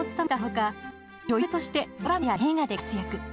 女優としてドラマや映画で活躍。